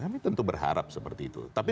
kami tentu berharap seperti itu tapi